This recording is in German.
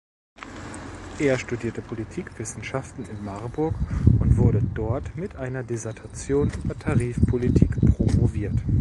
Er studierte Politikwissenschaften in Marburg und wurde dort mit einer Dissertation über Tarifpolitik promoviert.